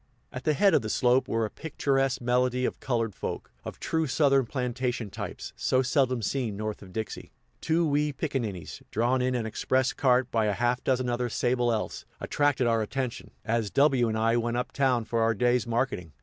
At the head of the slope were a picturesque medley of colored folk, of true Southern plantation types, so seldom seen north of Dixie. Two wee picaninnies, drawn in an express cart by a half dozen other sable elfs, attracted our attention, as W and I went up town for our day's marketing.